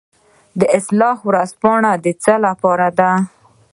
اصلاح ورځپاڼه د څه لپاره ده؟